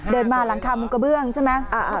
เดินมาหลังคามุงกระเบื้องใช่ไหม